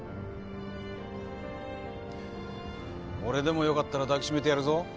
俺でもよかったら抱き締めてやるぞ。